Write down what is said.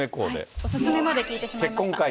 お勧めまで聞いてしまいました。